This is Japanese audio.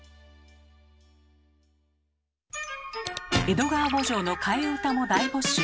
「江戸川慕情」の替え歌も大募集。